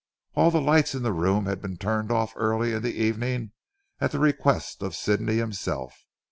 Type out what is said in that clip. All the lights in the room had been turned off early in the evening at the request of Sidney himself.